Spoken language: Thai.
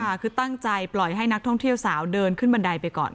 ค่ะคือตั้งใจปล่อยให้นักท่องเที่ยวสาวเดินขึ้นบันไดไปก่อน